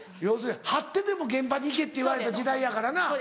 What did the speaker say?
要するにはってでも現場に行けって言われた時代やからな。